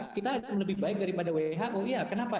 kita lebih baik daripada who iya kenapa